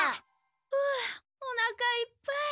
ふうおなかいっぱい。